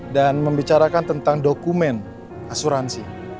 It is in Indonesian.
dan membicarakan tentang dokumen asuransi